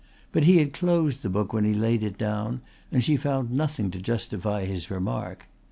But he had closed the book when he laid it down and she found nothing to justify his remark.